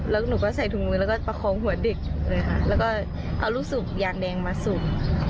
แล้วหนูก็ใส่ถุงมือแล้วก็ประคองหัวเด็กเลยค่ะแล้วก็เอาลูกสุกยางแดงมาสุ่ม